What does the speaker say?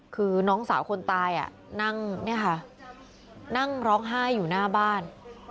คือน้องสาวคนตายนั่งเนี่ยค่ะนั่งร้องไห้อยู่หน้าบ้าน